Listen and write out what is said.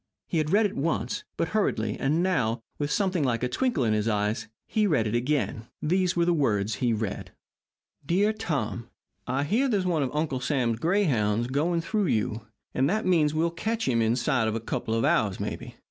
He had read it once, but hurriedly, and now, with something like a twinkle in his eyes, he read it again. These were the words he read: DEAR TOM: I hear there's one of Uncle Sam's grayhounds going through you, and that means that we'll catch him inside of a couple of hours, maybe.